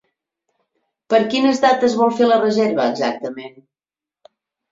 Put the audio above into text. Per quines dates vol fer la reserva exactament?